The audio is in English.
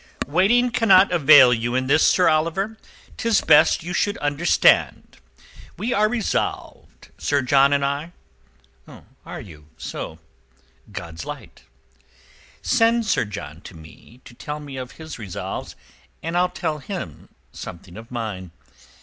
"Waiting cannot avail you in this, Sir Oliver. 'Tis best you should understand. We are resolved, Sir John and I." "Are you so? God's light. Send Sir John to me to tell me of his resolves and I'll tell him something of mine.